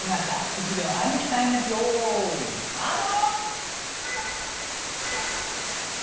１秒暗記タイムですよいスタート！